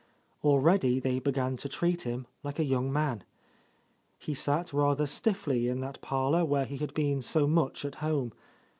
Already they began to treat him like a young man. He sat rather stiffly in that parlour where he had been so much at home.